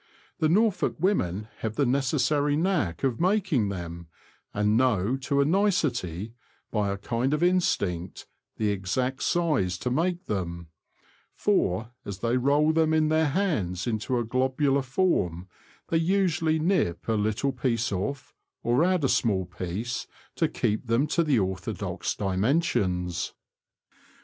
The Norfolk women have the necessary knack of making them, and know to a nicety, by a kind of instinct, the exact size to make them ; for, as they roll them in their hands into a globular form, they usually nip a little piece off, or add a small piece, to keep them to the orthodox dimensions.